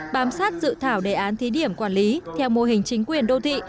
bám sát dự thảo đề án thí điểm quản lý theo mô hình chính quyền đô thị